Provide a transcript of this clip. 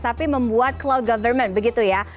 tapi membuat cloud government begitu ya